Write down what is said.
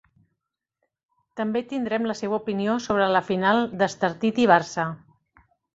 També tindrem la seva opinió sobre la final d'Estartit i Barça.